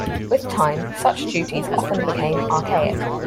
With time, such duties often became archaic.